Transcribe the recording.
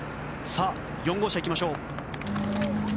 ４号車、行きましょう。